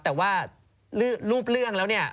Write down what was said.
แต่ว่ารูปเลื่องแล้ว